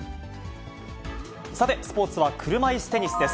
さて、スポーツは車いすテニスです。